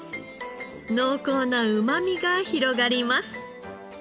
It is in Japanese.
濃厚なうまみが広がります。